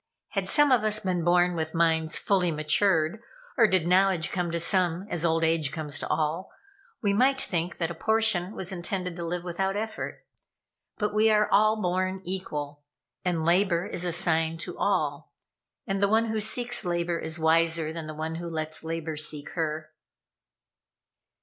Had some of us been born with minds fully matured, or did knowledge come to some as old age comes to all, we might think that a portion was intended to live without effort. But we are all born equal, and labor is assigned to all; and the one who seeks labor is wiser than the one who lets labor seek her."